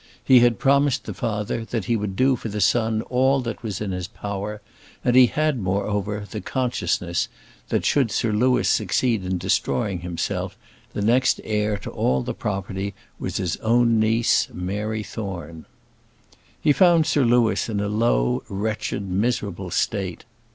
He had promised the father that he would do for the son all that was in his power; and he had, moreover, the consciousness, that should Sir Louis succeed in destroying himself, the next heir to all the property was his own niece, Mary Thorne. He found Sir Louis in a low, wretched, miserable state.